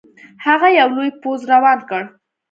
هغه یو لوی پوځ روان کړ.